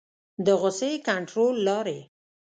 د غصې کنټرول لارې